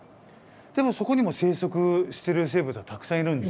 でもそこにも生息してる生物はたくさんいるんですよね。